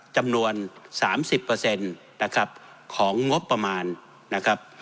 จำนวนสามสิบเปอร์เซ็นต์นะครับของงบประมาณนะครับ